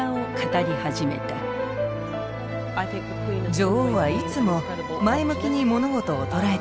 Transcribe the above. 女王はいつも前向きに物事を捉えていました。